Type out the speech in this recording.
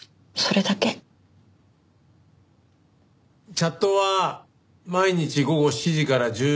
チャットは毎日午後７時から１１時まで？